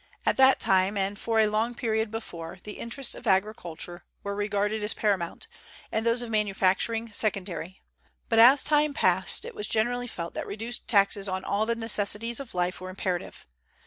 At that time, and for a long period before, the interests of agriculture were regarded as paramount, and those of manufacturing secondary; but, as time passed, it was generally felt that reduced taxes on all the necessities of life were imperative.